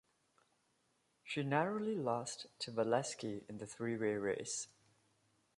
She narrowly lost to Valesky in the three-way race.